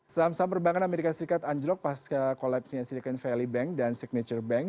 sam sam perbankan as anjlok pasca kolapsnya silicon valley bank dan signature bank